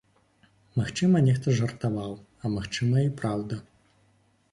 Магчыма, нехта жартаваў, а магчыма, і праўда.